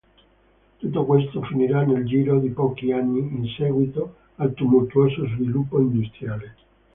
Tutto questo finirà nel giro di pochi anni in seguito al tumultuoso sviluppo industriale.